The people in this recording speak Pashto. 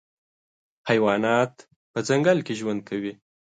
حیوانات په ځنګل کي ژوند کوي.